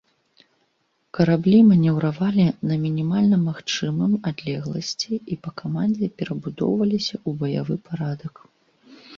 Караблі манеўравалі на мінімальна магчымым адлегласці і па камандзе перабудоўваліся ў баявы парадак.